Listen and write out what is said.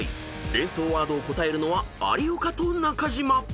［連想ワードを答えるのは有岡と中島］